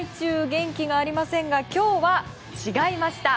元気がありませんが今日は違いました。